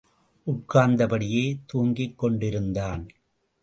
உட்கார்ந்தபடியே தூங்கிக் கொண்டிருந்தான்.